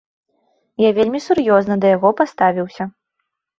Я вельмі сур'ёзна да яго паставіўся.